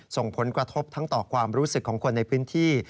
ส่งผลกระทบทั้งต่อความรู้สึกของคนในพื้นที่